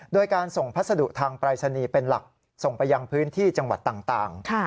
โดยการส่งพัสดุทางปรายศนีย์เป็นหลักส่งไปยังพื้นที่จังหวัดต่าง